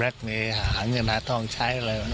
รู้นานแล้ว